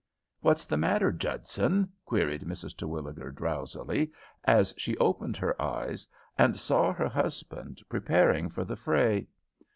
"What's the matter, Judson?" queried Mrs. Terwilliger, drowsily, as she opened her eyes and saw her husband preparing for the fray.